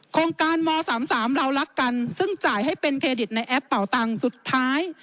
โครงการม๓๓เรารักกันซึ่งจ่ายให้เป็นเครดิตในแอปเป่าตังค์สุดท้าย